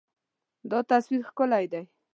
دا تصویر ښکلی دی.